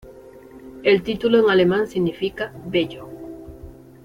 El título en alemán significa "bello".